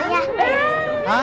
mau sama omad